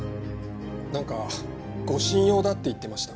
なんか護身用だって言ってました。